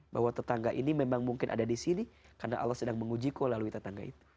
bahwa tetangga ini memang mungkin ada disini karena allah sedang menguji kau lalui tetangga itu